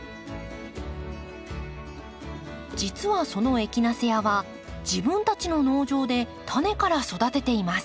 実はそのエキナセアは自分たちの農場でタネから育てています。